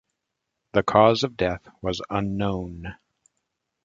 The cause of death was unknown.